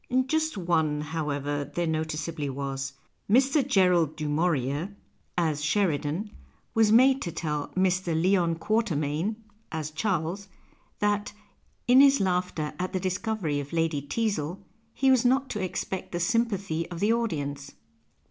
Just one, however, there noticeably was. Mr. Gerald du Maurier (as 3 u 2 PASTICHE AND PREJUDICE Sheridan) was made to tell Mr. Leon Quartcrmaine (as Charles) that, in his laughter at the discovery of Lady Teazle, he was not to expcet the " sympathy of the audienee."